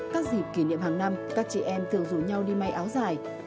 các dịp kỷ niệm hàng năm các chị em thường rủ nhau đi may áo dài